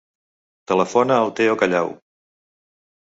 Telefona al Theo Callau.